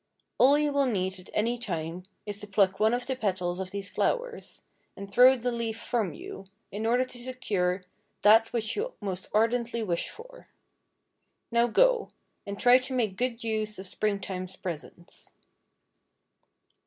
All you will need at any time is to pluck one of the petals of these flowers, and throw the leaf from you, in order to secure that which you most ardently wish for. Now go, and try to make good use of Springtime's presents."